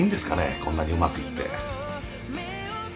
こんなにうまくいって。